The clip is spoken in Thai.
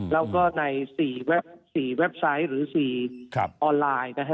แล้วก็ใน๔เว็บไซต์หรือ๔ออนไลน์นะฮะ